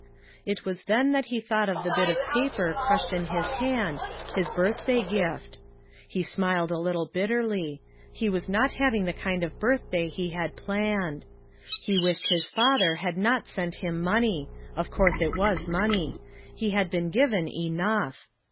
It was then that he thought of the bit of paper crushed in his hand, his birthday gift; he smiled a little bitterly; he was not hav ing the kind of birthday he had planned. He wished his father had not sent him money — of course it was money — he had been given enough.